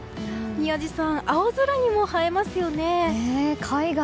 宮司さん、青空にも映えますよね。